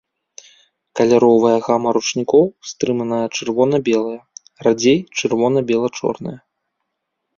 Каляровая гама ручнікоў стрыманая чырвона-белая, радзей чырвона-бела-чорная.